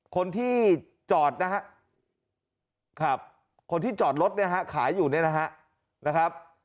คนที่จอดนะฮะครับคนที่จอดรถเนี่ยฮะขายอยู่เนี่ยนะฮะ